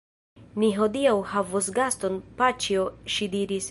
Ni hodiaŭ havos gaston, paĉjo, ŝi diris.